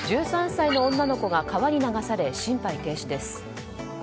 １３歳の女の子が川に流され心肺停止です。